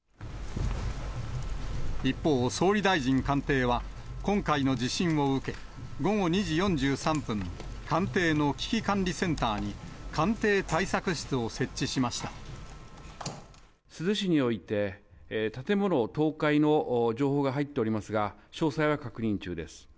一方、総理大臣官邸は、今回の地震を受け、午後２時４３分、官邸の危機管理センターに、珠洲市において、建物倒壊の情報が入っておりますが、詳細は確認中です。